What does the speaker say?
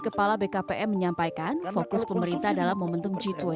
kepala bkpm menyampaikan fokus pemerintah dalam momentum g dua puluh